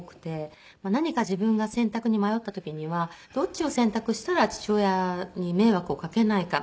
何か自分が選択に迷った時にはどっちを選択したら父親に迷惑をかけないか。